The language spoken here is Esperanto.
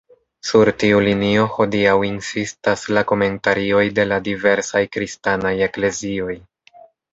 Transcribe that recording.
Sur tiu linio hodiaŭ insistas la komentarioj de la diversaj kristanaj eklezioj.